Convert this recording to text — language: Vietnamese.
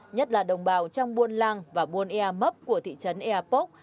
nhất là đồng bào trong buôn lang và buôn ea mấp của thị trấn ea pốc